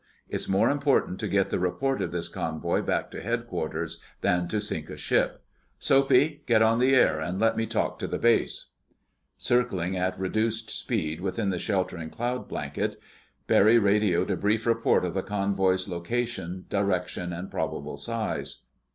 It's more important to get the report of this convoy back to headquarters than to sink a ship. Soapy, get on the air and let me talk to the base." Circling at reduced speed within the sheltering cloud blanket, Barry radioed a brief report of the convoy's location, direction, and probable size.